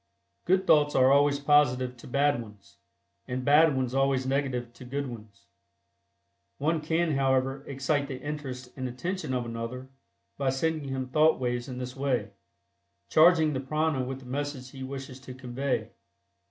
Good thoughts are always positive to bad ones, and bad ones always negative to good ones. One can, however, excite the interest and attention of another by sending him thought waves in this way, charging the prana with the message he wishes to convey.